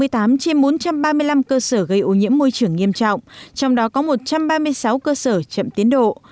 hai mươi tám trên bốn trăm ba mươi năm cơ sở gây ô nhiễm môi trường nghiêm trọng trong đó có một trăm ba mươi sáu cơ sở chậm tiến độ